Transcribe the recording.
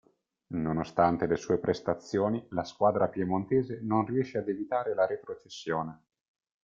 Nonostante le sue prestazioni la squadra piemontese non riesce ad evitare la retrocessione.